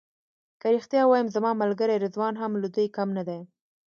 که رښتیا ووایم زما ملګری رضوان هم له دوی کم نه دی.